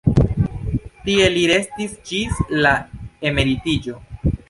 Tie li restis ĝis la emeritiĝo.